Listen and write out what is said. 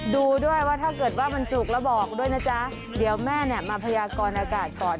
ดูด้วยว่าถ้าเกิดว่ามันจุกแล้วบอกด้วยนะจ๊ะเดี๋ยวแม่เนี่ยมาพยากรอากาศก่อน